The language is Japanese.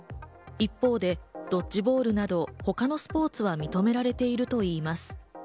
一方でドッジボールなど他のスポーツは認められているといいます。